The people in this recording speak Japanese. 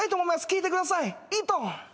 聴いてください